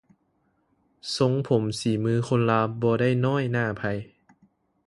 ຊົງຜົມສີມືຄົນລາວບໍ່ໄດ້ນ້ອຍໜ້າໃຜ